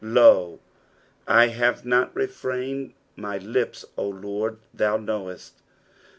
" Lo, I haw /tot refrained my lipi, 0 Lord, thcu fnoiMft."